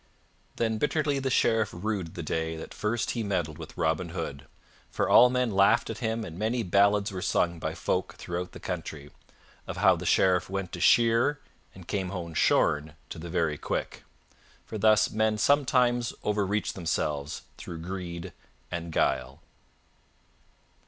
Then bitterly the Sheriff rued the day that first he meddled with Robin Hood, for all men laughed at him and many ballads were sung by folk throughout the country, of how the Sheriff went to shear and came home shorn to the very quick. For thus men sometimes overreach themselves through greed and guile.